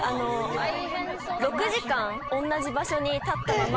６時間同じ場所に立ったまま。